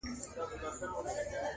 o انتقام اخیستل نه بخښل یې شرط دی,